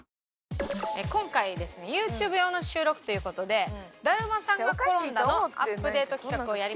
今回ですねＹｏｕＴｕｂｅ用の収録という事で「だるまさんが転んだ」のアップデート企画をやります。